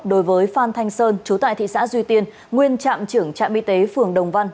đối với phan thanh sơn chú tại thị xã duy tiên nguyên trạm trưởng trạm y tế phường đồng văn